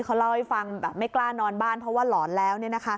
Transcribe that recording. เขาเล่าให้ฟังแบบไม่กล้านอนบ้านเพราะว่าหลอนแล้ว